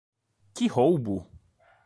Que roubo!